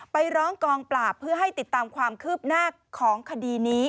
ไปร้องกองปราบเพื่อให้ติดตามความคืบหน้าของคดีนี้